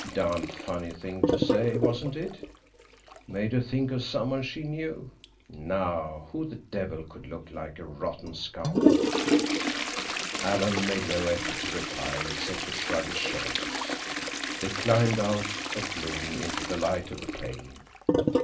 Darned funny thing to say, wasn't it? Made her think of someone she knew! Now, who the devil could look like a rotten skull?" Alan made no effort to reply, except to shrug his shoulders. They climbed up out of gloom into the light of the plain.